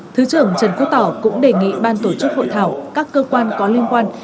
thứ trưởng trần quốc tỏ cũng đề nghị ban tổ chức hội thảo các cơ quan có liên quan